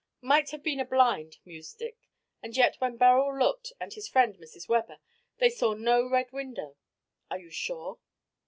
"Might have been a blind," mused Dick, "and yet when Beryl looked and his friend Mrs. Webber they saw no Red Window. Are you sure?"